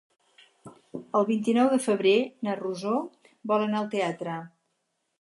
El vint-i-nou de febrer na Rosó vol anar al teatre.